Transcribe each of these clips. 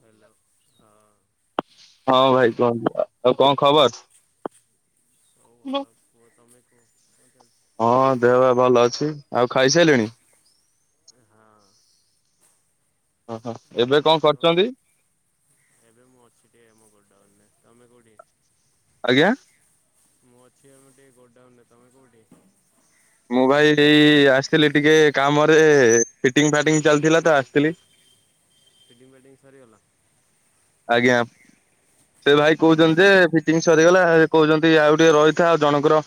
Hello ହଁ ହଁ hello ଭାଇ କୁହନ୍ତୁ ଆ ଆଉ କଁ ଖବର? ସବୁ ଭଲ କୁହ ତମେ କୁହ କଁ ଚାଲିଚି? ହଁ ଦେହ ପାହା ଭଲ ଅଛି ଆଉ ଖାଇସାଇସାଇଲେଣି? ଏ ହଁ। ଓହୋ ଏବେ ଆଉ କଣ ତମର କରୁଛନ୍ତି? ଏବେ ମୁଁ ଅଛି ଟିକେ ଆମ ଗୋଡାଉନ ରେ ତମେ କୋଉଠି? ଆଜ୍ଞା? ମୁଁ ଅଛି ଆମର ଟିକେ ଗୋଡାଉନରେ ତମେ କୋଉଠି? ମୁଁ ଭାଇ ଏଇଠି ଆସିଥିଲି ଟିକେ କାମରେ ଫିଟିଙ୍ଗ ଫାଟିଙ୍ଗ ଚାଲିଥିଲା ତ ଆସିଥିଲି। ଫିଟିଙ୍ଗ ଫାଟିଙ୍ଗ ସରିଗଲା? ଆଜ୍ଞା। ସେ ଭାଇ କୋଉଚନ୍ତି ଯେ ଫିଟିଙ୍ଗ ସରିଗଲା ଏ କୋଉଚନ୍ତି ଆଉ ଟିକେ ରହିଥା ଆଉ ଜଣଙ୍କର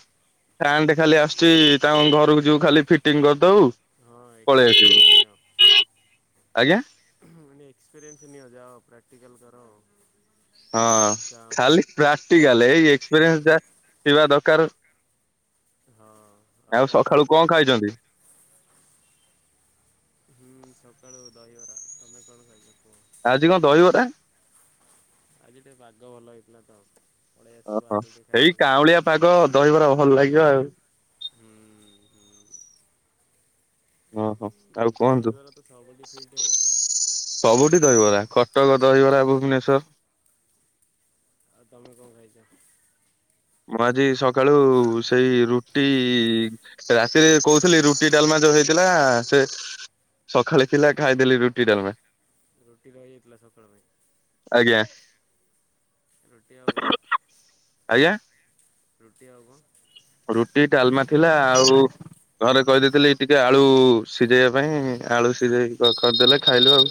ଫ୍ୟାନ୍ ଟେ ଖାଲି ଆସୁଛି ତାଙ୍କ ଘରୁକୁ ଯିବୁ ଖାଲି ଫିଟିଙ୍ଗ କରିଦବୁ। ହଁ ପଳେଇ ଏକ୍ସପିରିଏନ୍ସ ଆସିବୁ ନିଅ ଆଜ୍ଞା? ମୁଁ କଇନି ଏକ୍ସପେରିଏନ୍ସ ନିଅ ଯାଅ ପ୍ରାକ୍ଟିକାଲ୍ କର ଆଉ। ହଁ ଖାଲି ପ୍ରାକ୍ଟିକାଲେ ଏଇ ଏକ୍ସପେରିଏନ୍ସ ଯାଆ ଥିବା ଦକାର। ହଁ ଆଉ କଣ ଖାଇଛ ସଖାଳୁ କଁ ସକାଳୁ? ଖାଇଚନ୍ତି? ହୁଁ ସକାଳୁ ଦହିବରା ତମେ କଣ ଖାଇଛ କୁହ? ଅଜି କଁ ଦହିବରା? ଆଜି ଟିକେ ପାଗ ଭଲ ହେଇଥିଲା ତ। ପଳେଇ ଆସିବ ଓହୋ, ବାହାରୁ ଟିକେ ସେଇ ଖାଇବାକୁ କାଉଁଳିଆ ପାଗ ଦହିବରା ଭଲ ଲାଗିବ ଆଉ। ହୁଁ ହୁଁ। ଓହୋ ଆଉ କୁହନ୍ତୁ। ଦହିବରା ତ ସବୁଠି ଫିଟ୍ ଆଉ। [inaudible] ସବୁଠି ଦହିବରା, କଟକ ଦହିବରା ଭୁବନେଶ୍ଵର ଆଉ ତମେ କଣ ଖାଇଛ? ମୁଁ ଆଜି ସକାଳୁ ସେଇ ରୁଟି ରାତିରେ କହୁଥିଲି ରୁଟି ଡାଲମା ଯୋଉ ହେଇଥିଲା ସେ ସକାଳେ ଥିଲା ଖାଇଦେଲି ରୁଟି ଡାଲମା। ରୁଟି ରହି ଯାଇଥିଲା ସକାଳ ପାଇଁ? ଆଜ୍ଞା। ରୁଟି ଆଉ କଣ? ଆଜ୍ଞା? ରୁଟି ଆଉ କଣ? ରୁଟି ଡାଲମା ଥିଲା ଆଉ ଘରେ କହିଦେଇଥିଲି ଟିକେ ଆଳୁ ସିଝେଇବା ପାଇଁ ଆଳୁ ସିଝେଇ କରିଦେଲେ ଖାଇଲୁ ଆଉ।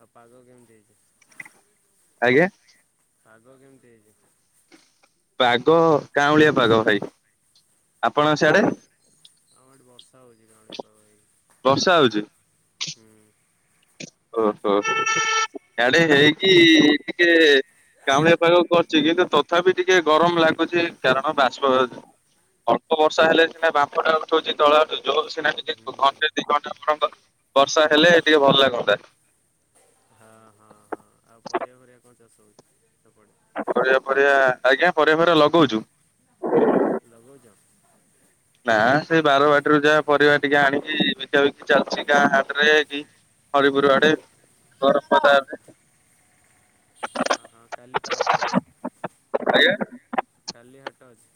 ଆଉ ପାଗ କେମତି ହେଇଛି? ଆଜ୍ଞା? ପାଗ କେମିତି ହେଇଛି? ପାଗ କାଁଉଳିଆ ପାଗ ଭାଇ। ଆପଣ ହଁ ସିଆଡେ ଆମ ଏଠି ବର୍ଷା ହଉଛି କାଉଁଳିଆ ପାଗ ହେଇ। ବର୍ଷା ହଉଛି? ହୁଁ। ଓହୋ ଇଆଡ଼େ ହେଇକି ଟିକେ କାଉଁଳିଆ ପାଗ କରୁଛି କିନ୍ତୁ ତଥାପି ଟିକେ ଗରମ ଲାଗୁଛି କାରଣ ବାଷ୍ପ ବାହାରୁ ଅଳ୍ପ ବର୍ଷା ହେଲେ ସିନା ବାମ୍ପଟା ଉଠଉଛି ତଳୁଆଡୁ ଜୋର୍ ସିନା ଟିକେ ହୁଁ ଘଣ୍ଟେ ଦି ଘଣ୍ଟା ଆପଣଙ୍କ ବର୍ଷା ହେଲେ ଟିକେ ଭଲ ଲାଗନ୍ତା। ହ, ହଁ, ହଁ। ଆଉ ପରିବା ଫରିବା କଣ ଚାଷ ହେଉଛି ସେପଟେ? ପରିବା ଫରିବା ଆଜ୍ଞା ପରିବା ଫରିବା ଲଗଉଛୁ। ଲଗଉଚ? ନାଁ ସେ ବାରବାଟୀରୁ ଯାହା ପରିବା ଟିକେ ଆଣିକି ବିକା ବିକି ଚାଲିଛି ଗାଁ ହାଟରେ ଏଠି। ହରିପୁରୁ ଆଡେ, ବରମ୍ପଦା [unintelligible] ହଁ, ହଁ, କାଲି ତ ହାଟ ଅଛି। ଆଜ୍ଞା? କାଲି ହାଟ ଅଛି।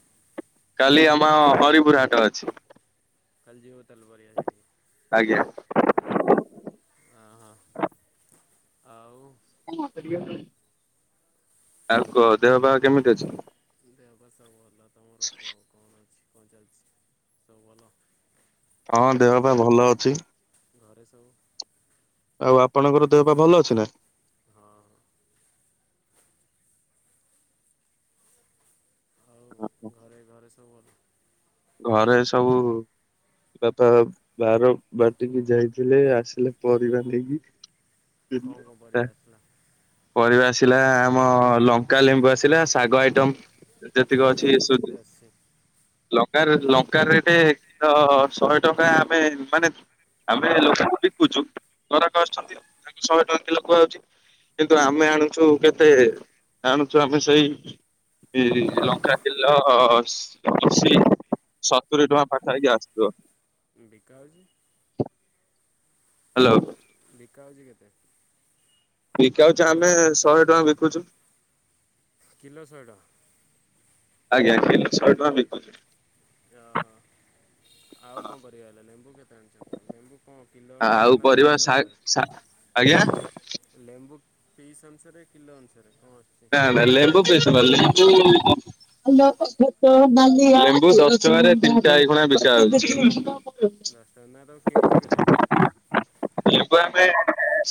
କାଲି ଆମ ହରିପୁର ହାଟ ଅଛି। କଲି ଯିବୁ ତାହାଲେ ପରିବା ସେଠିକି। ଆଜ୍ଞା। ହଁ ହଁ [inaudible] ଆଉ? [unintelligible] ଆଉ କୁହ ଦେହ ପାହ କେମିତି ଅଛି? ଦେହ ପା ସବୁ ଭଲ ତମର କୁହ କଣ ଅଛି କଣ ଚାଲିଛି ସବୁ ଭଲ? ହଁ ଦେହ ଘ ପାହା ଭଲ ଅଛି। ଘରେ ସବୁ? ଆଉ ଆପଣଙ୍କର ଦେହ ପା ଭଲ ଅଛି ନା? ହଁ। ହଁ ଆଉ ଉଁ ହୁଁ। ଘରେ ଘରେ ସବୁ ଭଲ। ଘରେ ସବୁ ବାପା ବାରବାଟିକି ଯାଇଥିଲେ ଆସିଲେ ପରିବା ନେଇକି। କଣ କଣ ପରିବା ଆସିଲା [unintelligible] ପରିବା ଆସିଲା ଆମ ଲଙ୍କା ଲେମ୍ବୁ ଆସିଲା, ଶାଗ ଆଇଟମ ଯେତିକି ଲଙ୍କା ଅଛି ଲେମ୍ବୁ ସୁ କେତେ ଆସିଛି ଲଙ୍କା ଲଙ୍କା ରେଟ୍ କିଲ ଶହେ ଟଙ୍କା ଆମେ ମାନେ ଆମେ ଲୋକଙ୍କୁ ବିକୁଚୁ ଗରାକ ଆସୁଛନ୍ତି ତାଙ୍କୁ ଶହେ ଟଙ୍କା କିଲୋ କୁହାଯାଉଛି। କିନ୍ତୁ ଆମେ ଆଣୁଛୁ କେତେ ଆଣୁଛୁ ଆମେ ସେଇ ଏ ଲଙ୍କା କିଲ ସେ ସତୁରି ଟଙ୍କା ପାଖାପାଖି ଆସୁଥିବ। ଏ ବିକା ହଉଛି ହାଲୋ। ବିକା ହଉଛି କେତେ? ବିକା ହଉଚି ଆମେ ଶହେ ଟଙ୍କା ବିକୁଛୁ। କିଲୋ ଶହେ ଟଙ୍କା। ଆଜ୍ଞା କିଲୋ ଶହେ ଟଙ୍କା ବିକୁଛୁ। ୟା ହଁ। ଆଉ କଣ ପରିବା ହେଲା ଲେମ୍ବୁ କେତେ ଆଣିଛ କଣ ଲେମ୍ବୁ କଣ କିଲୋ ଅନୁସାରେ ଆଉ ନା ପରିବା ପିସ୍ ସା ଅନୁସାରେ? ସା ଆଜ୍ଞା ଲେମ୍ବୁ ପିସ୍ ଅନୁସାରେ କିିଲୋ ଅନୁସାରେ କଣ ଆସୁଛି? ଥାନ୍ତା ଲେମ୍ବୁ ପିସ୍ ନୁହଁ ଲେମ୍ବୁକୁ ଲେମ୍ବୁ ଦଶ ଟଙ୍କାରେ ତିନଟା ଏଇଖଣା ବିକା ହଉଛି। ଦଶ ଟଙ୍କା ନେଖା ତମେ କିଣିଛ କେତେ? ଲେମ୍ବୁ ଆମେ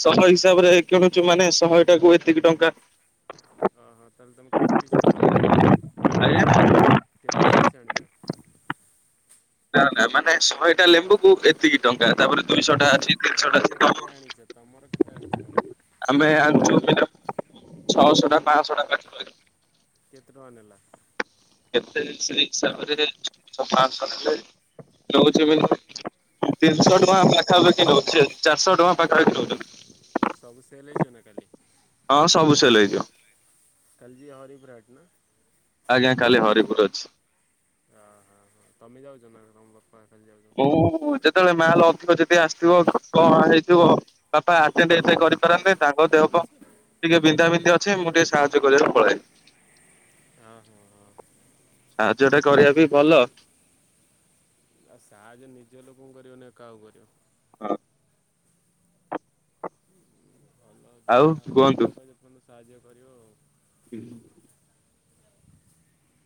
ଶହ ହିସାବରେ କିଣୁଛୁ ମାନେ ଶହଟାକୁ ଏତିକି ଟଙ୍କା। [inaudible] ହଁ ହଁ ହଁ ତାହେଲେ ତମେ କେତେ ପିସ୍ ଆଣିଛ? ଆଜ୍ଞା କେତେ ପିସ୍ ଆଣିଛ? ନା ନା ମାନେ ଶହେଟା ଲେମ୍ବୁକୁ ଏ ଏତିକି ଟଙ୍କା ତାପରେ ଦୁଇ ଶହ ଟା ହଁ ଅଛି ତିନି ଶହ ତମେ ଟା କେତେ ଆଣିଛ ତମର କେତେ ଆଣିଛ ଅଛି। ଆମେ ଆଣିଛୁ ମିନିମମ ଛଅ ଶହଟା ପାଂ ଶହଟା। [unintelligible] କେତେ ଟଙ୍କା ନେଲା? କେତେ ଜିନିଷ ହିସାବରେ ପାଂଶହ ନେଲେ ନଉଛି [unintelligible] ତିନିଶହ ଟଙ୍କା ପାଖାପାଖି ନଉଛି ଚାରିଶହ ଟଙ୍କା ପାଖାପାଖି ନଉଛନ୍ତି। ସବୁ ସେଲ୍ ହେଇଯିବ ନା କାଲି? ହଁ ସବୁ ସେଲ୍ ହେଇଯିବ। କଲ ଯିବ ହରିପୁର ହାଟ ନା? ଆଜ୍ଞା କାଲି ହରିପୁର ଅଛି। ଅ ହାଁ ହାଁ ତମେ ଯାଉଛ ନା ତମ ବାପା ଖାଲି ଯାଉଛ ମୁଁ ଯେତେବେଳେ ମାଲ ଅଧିକ ଯେବେ ଆସିଥିବ କଣ ହେଇଥିବ ବାପା ଆଟେଣ୍ଡ ଏତେ କରି ପାରନ୍ତି ତାଙ୍କ ଦେହ ଫେଅ ଟିକେ ବିନ୍ଧା ବିନ୍ଧି ଅଛି ମୁଁ ଟିକେ ସାହାର୍ଯ୍ୟ କରିବାକୁ ପଳାଏ। ଅଁ ହଁ ହଁ। ସାହାଯ୍ୟ ଟା କରିବା ବି ଭଲ ଆଉ ସାହାଯ୍ୟ ନିଜ ଲୋକଙ୍କୁ କରିବନି ଆଉ କାହାକୁ କରିବ। ହଁ। ଭଲ ଆଉ ଯାହା କୁହନ୍ତୁ। ଅଛ ଯେ ପଯ୍ୟନ୍ତ ସାହାଯ୍ୟ କରିବ ଆଉ। [unintelligible]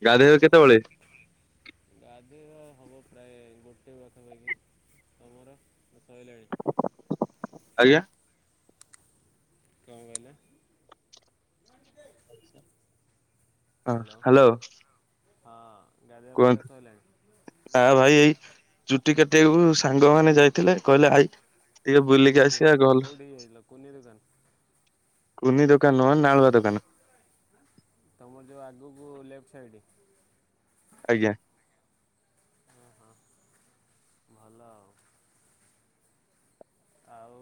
ଗାଧେଇବେ ଆଉ? କେତେବେଳେ ଗାଧେଇବା ହବ ପ୍ରାୟ ଗୋଟେ ପାଖାପାଖି ତମର ସଇଲାଣି? ଆଜ୍ଞା? କଣ କହିଲେ? ହଁ ହ୍ୟାଲୋ ହାଲୋ। ହଁ ଗାଧୁଆ ପାଧୁଆ ସଇଲାଣି? ଆଉ ଭାଇ ଏଇ ଚୁଟି କାଟିବାକୁ ସାଙ୍ଗ ମାନେ ଯାଇଥିଲେ କହିଲେ ଆଇ। ଟିକେ ବୁଲିକି କଉଠି ଆସିବା ଗଲ କଉଠିକି ଯାଇଥିଲ କୁନି ଦୋକାନ୍? କୁନି ଦୋକାନ୍ ନୁହ ନାଳୁଆ ଦୋକାନ। ତମର ଯୋ ଆଗକୁ ଲେଫ୍ଟ୍ ସାଇଡି। ଆଜ୍ଞା। ହଁ ହଁ ଭଲ ଆଉ। ଆଉ।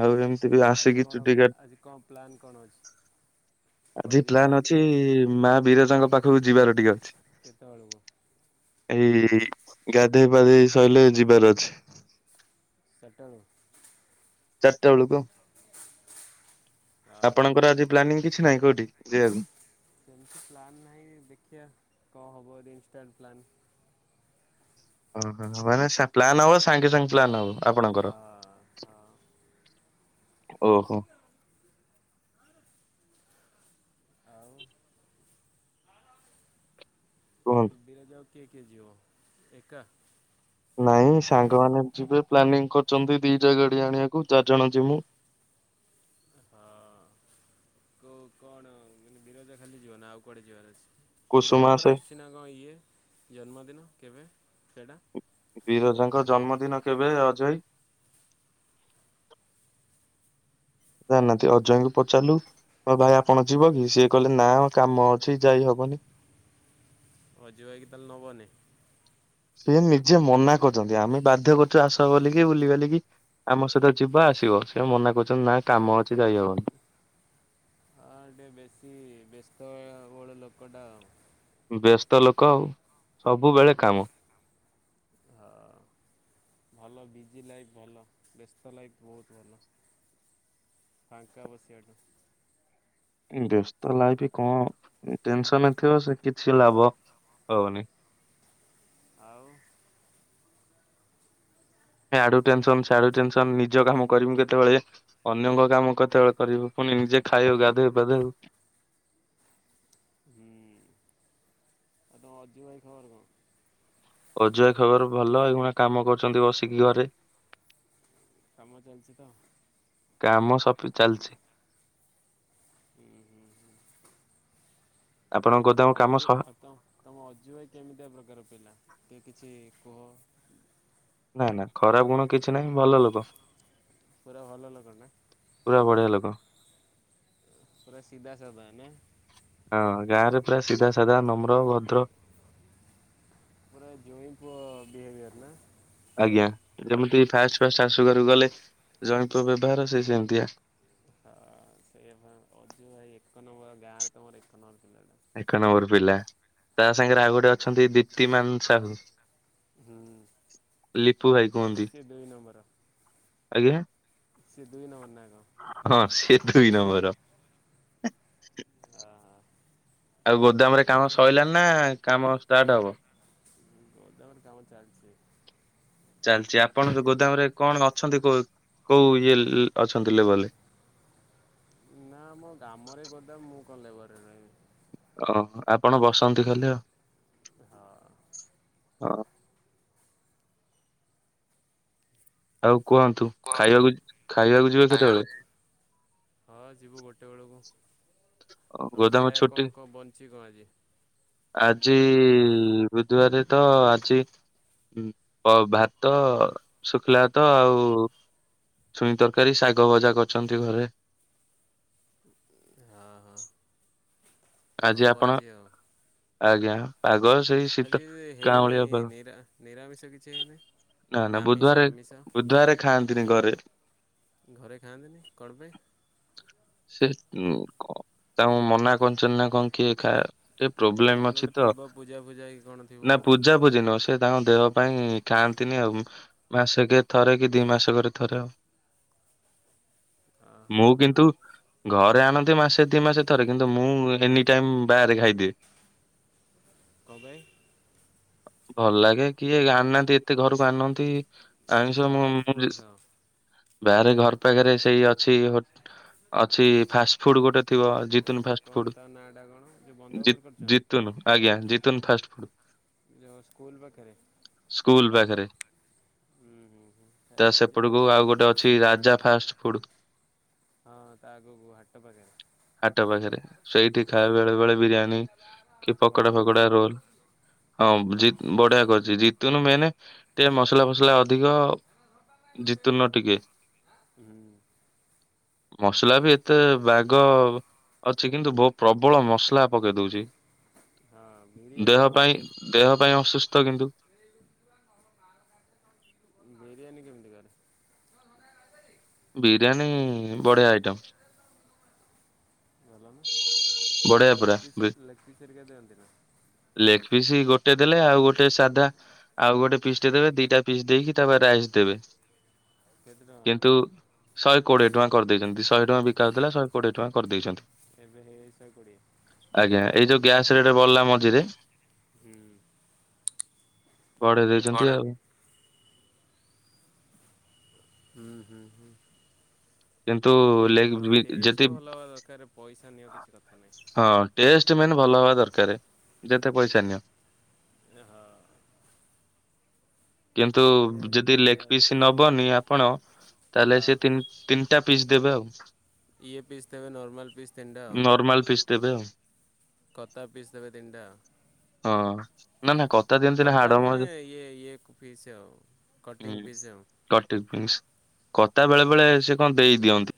ଆଉ ଏମତି ବି ଆଜି ଆସିକି କଣ ଚୁଟିି କାଟ୍ ଆଜି କଣ ପ୍ଲାନ୍ କଣ ଅଛି? କୁଆଡ଼େ ଆଜି ଯିବାର ପ୍ଲାନ୍ ଅଛି କଣ ମା ବିରଜାଙ୍କ ପାଖକୁ ଯିବାର ଟିକେ ଅଛି। କେତେବେଳକୁ? ଏଇ ଗାଧେଇ ପାଧେଇ ସଇଲେ ଯିବାର ଅଛି। ଚାର୍ ଟା ବେଳୁ? ଚାରଟା ବେଳକୁ। ହଁ [inaudible] ହଁ ଆପଣଙ୍କର ହଁ ଆଜି ପ୍ଲାନିଂ କିଛି ନାହିଁ କୋଉଠି ଯିବାକୁ? ସେମିତି ପ୍ଲାନ୍ ନାହିଁ ଦେଖିଆ କଁ ହବ‌ ଯଦି ଇନଷ୍ଟାଣ୍ଟ ପ୍ଲାନ୍। ଓହୋ ମାନେ ସା ପ୍ଲାନ୍ ହବ ସାଙ୍ଗେ ସାଙ୍ଗେ ପ୍ଲାନ୍ ହବ ଆପଣଙ୍କର। ହଁ ହଁ ଓହୋ। ଆଉ। ଆଉ କୁହନ୍ତୁ ବିରଜାକୁ କିଏ କିଏ ଯିଅ ଏକା? ନାଇଁ ସାଙ୍ଗମାନେ ଯିବେ ପ୍ଲାନିଂ କରଚନ୍ତି ଦିଟା ଗାଡି ଆଣିବାକୁ ଚାରିଜଣ ଯିମୁ। ହଁ। କୋଉ କଣ ମାନେ ବିରଜା ଖାଲି ଯିବ ନା ଆଉ କୁଆଡେ ଯିବାର ଅଛି? କୁସୁମା ବିରଜାଙ୍କର ସେ ଆସଚି ନା କଣ ଇଏ ଜନ୍ମଦିନ କେବେ ସେଟା? ବିରଜାଙ୍କ ଜନ୍ମଦିନ କେବେ ଅଜୟ ହାଇ? ଜାଣି ନାହାନ୍ତି ଅଜୟ ହାଇଙ୍କୁ ପଚାରିଲୁ। [unintelligible] ଭାଇ ଆପଣ ଯିବ କି? ସିଏ କହିଲେ ନା କାମ ଅଛି ଯାଇ ହବନି। ଅଜୁ ଭାଇକି ତାହେଲେ ନବନି। ସିଏ ନିଜେ ମନା କରଚନ୍ତି। ଆମେ ବାଧ୍ୟ କରୁଚୁ ଆସ ବୋଲି କି ବୁଲିବାଲି କି ଆମ ସହିତ ଯିବ ଆସିବ। ସେ ମନା କରୁଚନ୍ତି ନା କାମ ଅଛି ଯାଇହବନି। ଆ ଟିକେ ବେଶୀ ବ୍ୟସ୍ତ ଏ ବହୁଳ ଲୋକଟା। ବ୍ୟସ୍ତ ଲୋକ ଆଉ। ସବୁବେଳେ କାମ ହୁଁ। ହଁ। ଭଲ ବିଜି ଲାଇଫ୍ ଭଲ। ବ୍ୟସ୍ତ ଲାଇଫ୍ ବହୁତ୍ ଭଲ। ଫାଙ୍କା ବସିଆଠୁ। ବ୍ୟସ୍ତ ଲାଇଫି କଣ ଟେନସନରେ ଥିଅ ସେ କିଛି ଲାଭ ହବନି। ଆଉ। ଆଡୁ ଟେନ୍‌ସନ୍ ସାଡୁ ଟେ‌ନ୍‌ସନ୍ ନିଜ କାମ କରିମି କେତେବେଳେ। ଅନ୍ୟଙ୍କ କାମ କେତେବେଳେ କରିବୁ ପୁଣି ନିଜେ ଖାଇବୁ ଗାଧୋଇବୁ ପାଧେଇବୁ। ହୁଁଆଉ ତମ ଅଜୁ ଭାଇ ଖବର କଣ? ଅଜୁ ଭାଇ ଖବର ଭଲ ଏଇଖୁଣା କାମ କରୁଚନ୍ତି ବସିକି ଘରେ। କାମ ଚାଲଚି ତ। କାମ ସପି ଚାଲଚି। ଉଁ ହୁଁ। ଆପଣଙ୍କ ତମ ଗୋଦାମ କାମ ଅଜୁ ସହ ଅ ତମ୍ ତମ ଅଜୁ ଭାଇ କେମିତିଆ ପ୍ରକାର ପିଲା କି କିଛି କୁହ। ନା ନା ଖରାପ୍ ଗୁଣ କିଛି ନାହିଁ ଭଲ ଲୋକ। ପୁରା ଭଲ ଲୋକ ନା। ପୁରା ବଢ଼ିଆ ଲୋକ। ପୁରା ସିଧା ସାଧା ନା। ହଁ ଗାଁ ରେ ପୁରା ସିଧା ସାଧା ନମ୍ର ଭଦ୍ର। ପୁରା ଜୋଇଁ ପୁଅ ବିହେଭିିୟର ନା। ଆଜ୍ଞା ଯେମିତି ଫାଷ୍ଟ୍ ଫାଷ୍ଟ୍ ଶାଶୁ ଘରକୁ ଗଲେ ଜୋଇଁ ପୁଅ ବ୍ୟବହାର ସେ ସେମିତିଆ। ହଁ ସେଇଆ ପା ଅଜୁ ଭାଇ ଏକ ନମ୍ବର ଗାଁରେ ତୁମର ଏକ ନମ୍ବର ପିଲାଟା। ଏକ ନମ୍ବର ପିଲା ତା ସାଙ୍ଗରେ ଆଉ ଗୋଟେ ଅଛନ୍ତି ଦୀପ୍ତିମାନ ସାହୁ। ହୁଁ। ଲିପୁ ଭାଇ କୁହନ୍ତି ସିଏ ଦୁଇ ଆଜ୍ଞା। ସେ ଦୁଇ ନମ୍ବର ନାଁ କଣ? ହଁ ସେ ତୁଇ ନମ୍ବର। ଅ ହଁ। ଆଉ ଗୋଦାମରେ କାମ ସରିଲାଣି ନା କାମ ଷ୍ଟାର୍ଟ ହବ? ଗୋଦାମରେ କାମ ଚାଲିଛି। ଚାଲିଛି ଆପଣଙ୍କ ଗୋଦାମରେ କଣ ଅଛନ୍ତି କୋଉ ଇଏ ଅଛନ୍ତି ଲେବେଲ ରେ? ନା ମୋ ଗ୍ରାମରେ ଗୋଦାମ ମୁଁ କଣ ଲେବର ରହିବି? ଓହ ଆପଣ ବସନ୍ତି ଖାଲି ଆଉ। ହଁ। ହଁ। ଆଉ କୁହନ୍ତୁ କୁହନ୍ତୁ ଖାଇବାକୁ ଖାଇବାକୁ ଯିବେ କେତେବେଳେ? ଖାଇବାକୁ ହଁ ଯିବୁ ଗୋଟେ ବେଳକୁ। ତ ଗୋଦାମ ଖାଇବା ଛୁଟି କଣ କଣ ବନିଚି କଣ ଆଜି? ଆଜି ବୁଧବାର ତ ଆଜି ଅ ଭାତ ଶୁଖିଲା ଭାତ ଆଉ ଛୁଇଁ ତରକାରୀ, ଶାଗ ଭଜା କରିଛନ୍ତି ଘରେ। ହଁ ହଁ। ହେଲା ଆଜି ହବ ଆପଣ ଆଉ ଆଜ୍ଞା ପାଗ ସେଇ ଶୀତ ଆଜି ହେଇ କାଉଁଳିଆ ନେଇ ପାଗ ନିରା ନିରାମିଷ କିଛି ହେଇ ନେଇ। ନା ନା ବୁଧବାର ବୁଧବାର ଖାଆନ୍ତିନି ଘରେ। ଘରେ ଖାଆନ୍ତିନି କଣ ପାଇଁ? ସେ [unintelligible] ତାଙ୍କୁ ମନା କରିଛନ୍ତି ନା ଙ୍କ କିଏ ଖା ଟେ କଣ ପ୍ରୋବ୍ଲେମ ଅଛି ଗୋଟେ ତ ଥିବ ପୂଜା ଫୂଜା କି କଣ ଥିବ ନା ପୂ ପୂଜା ପୂଜି ନୁହଁ ସେ ତାଙ୍କ ଦେହ ପାଇଁ ଖାଆନ୍ତିନି ଆଉ। ମାସେକେ ଥରେ କି ଦିଇ ମାସକରେ ଥରେ ଆଉ। ଆ ହଁ ମୁଁ ହଁ କିନ୍ତୁ। ଘରେ ଆଣନ୍ତି ମାସେ ଦି ମାସେ ଥରେ କିନ୍ତୁ ମୁଁ ଏନି ଟାଇମ୍ ବାହାରେ ଖାଇଦିଏ। କଁ ପାଇଁ? ଭଲ ଲାଗେ କିଏ ଆଣୁ ନାହାନ୍ତି ଏତେ ଘରକୁ ଆନନ୍ତି। ଆମିଷ ମୁଁ ବାହାରେ ମୁ ଯେ କୋଉଠି ଖାଅ? ବାହାରେ ଘର ପାଖରେ ସେଇ ଅଛି ହୋ ଅଛି ଫାଷ୍ଟ ଫୁଡ ଗୋଟେ ଥିବ ଜି ତୁନୁ ଫାଷ୍ଟ କଣ ଫୂଡ଼ ତା ନାଁଟା କଣ ଯେଉଁ ବନ୍ଧ ଜି ଉପରେ କରିଛନ୍ତି ଜିତୁନୁ ଆଜ୍ଞା ଜିତୁନ୍‌ ଫାଷ୍ଟ ଫୁଡ଼। ଯୋଉ ସ୍କୁଲ ପାଖେରେ? ସ୍କୁଲ ପାଖେରେ ହୁଁ ହୁଁ ହୁଁ ସେ ତା ଚାଲିଛି ନା ସେପଟକୁ ଆଉ ଗୋଟେ ଅ ଛି ରାଜା ଫାଷ୍ଟ ଫୁଡ୍। ହଁ ତା ଆଗୁକୁ ହାଟ ପାଖେରେ। ହାଟ ପାଖେରେ ସେଇଠି ଖାଏ ବେଳେ ବେଳେ ବିରିୟାନୀ କି ଭଲ ପକୋଡା କରୁଛି ଫକୋଡା, ବିରିୟାନୀ ରୋଲ ହଁ ଜି ବଢିଆ କରିଛି ଜିତୁନୁ ମେନେ ଟିକେ ମସଲା ଫସଲା ଅଧିକ। ଜିତୁନ ଟିକେ ହୁଁ। ମସଲା ବି ଏତେ ବାଗ ଅଛି କିନ୍ତୁ ବ ପ୍ରବଳ ମସଲା ପକେଇ ଦଉଚି। ହଁ ବିରିୟାନୀ ଦେହ କଣ ପାଇଁ କରେ ଦେହ ପାଇଁ ଅସୁସ୍ଥ କିନ୍ତୁ। ବିରିୟାନୀ କେମିତି କରେ? ବିରିୟାନୀ ବଢିଆ ଆଇଟମ୍। ବଢିଆ ପୁରା ଲେକ୍ ପିସି, ଲେକ୍ ପିସି ହେରିକା ଦିଅନ୍ତିନା? ଲେଗ୍ ପିସି ଗୋଟେ ଦେଲେ ଆଉ ଗୋଟେ ସାଧା। ଆଉ ଗୋଟେ ପିସ୍ ଟେ ଦେବେ ଦିଟା ପିସ୍ ଦେଇକି ତାପରେ ରାଇସ ଦେବେ କେତେ କିନ୍ତୁ। ଟଙ୍କା ଶହେ କୋଡିଏ ଟଙ୍କା କରିଦେଇଛନ୍ତି ଶହେ ଟଙ୍କା ବିକା ହଉଥିଲା ଶହେ କୋଡିଏ ଟଙ୍କା କରିଦେଇଛନ୍ତି। ଏବେ ହେଇ ଶହେ କୋଡ଼ିଏ। ଆଜ୍ଞା ଏଇ ଯୋଉ ଗ୍ୟାସ ରେଟେ ବଢିଲା ମଝିରେ। ହୁଁ। ବଢ଼େଇ ଦେଇଛନ୍ତି ଆଉ। ହୁଁ ହୁଁ ହୁଁ କିନ୍ତୁ ଲେଗ ଭଲ ଯେତି ଟେଷ୍ଟ ଭଲ ହବା ଦରକାର। ପଇସା ନିଅ କିଛି କଥା ନାହିଁ। ହଁ ଟେଷ୍ଟ ମେନ ଭଲ ହବା ଦରକାରେ ଯେତେ ପଇସା ନିଅ। ଏ ହ। କିନ୍ତୁ ସେଇଆ ହେଉଛି ଯଦି କଥା ଲେଗ ଆଉ। ପିସ୍ ନବ୍ ବନି ଆପଣ ତାହେଲେ ହଁ ସେ ତିନ୍ ତିନିଟା ପିସ୍ ଦେବେ ଆଉ। ଇଏ ପିସ୍ ଦେବେ ନର୍ମାଲ ପିସ୍ ତିନ ଟା ଆଉ। ତେବେ ଆଉ। କତା ପିସ୍ ଦେବେ ତିନିଟା। ହଁ। ନା ନା କତା ଦି କତା ନୁହେଁ ଇଏ ଇଏ କୁ ପିସ୍ ଆଉ। କଟିଂ ପିସ୍ ଆଉ। ହୁଁ [unintelligible] କତା ବେଳେ ବେଳେ ସେ କଣ ଦେଇ ଦିଅନ୍ତ।